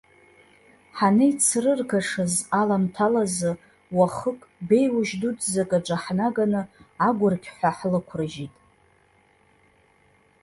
Ҳанеицрыргашаз аламҭалазы уахык, дәеиужь дуӡӡак аҿы ҳнаганы агәырқьҳәа ҳлықәрыжьит.